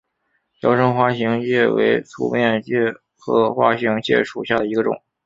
娇生花形介为粗面介科花形介属下的一个种。